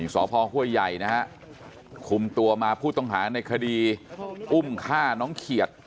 สพห้วยใหญ่นะฮะคุมตัวมาผู้ต้องหาในคดีอุ้มฆ่าน้องเขียด